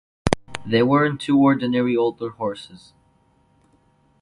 They weren’t two ordinary older horses.